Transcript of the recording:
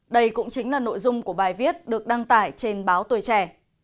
đây cũng chính là nội dung của bài viết được đăng tải trên báo tuổi trẻ